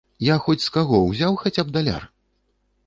Я хоць з каго ўзяў хаця б даляр?